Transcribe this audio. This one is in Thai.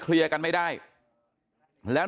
เลียกันไม่ได้แล้ว